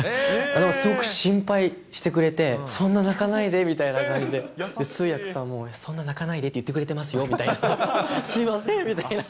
すごく心配してくれて、そんな泣かないでみたいな感じで、通訳さんも、そんな泣かないでって言ってくれてますよみたいな、すみませんみ